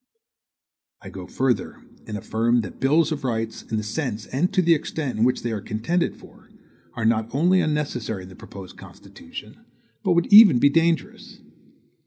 I go further, and affirm that bills of rights, in the sense and to the extent in which they are contended for, are not only unnecessary in the proposed Constitution, but would even be dangerous.